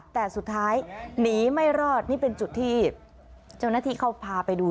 แต่สุดท้ายหนีไม่รอดนี่เป็นจุดที่เจ้าหน้าที่เขาพาไปดู